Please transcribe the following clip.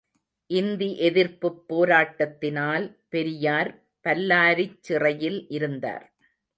இந்தி எதிர்ப்புப் போராட்டத்தினால் பெரியார் பல்லாரிச் சிறையில் இருந்தார்.